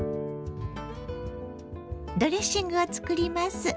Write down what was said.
ドレッシングを作ります。